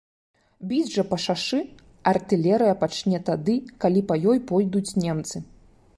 Біць жа па шашы артылерыя пачне тады, калі па ёй пойдуць немцы.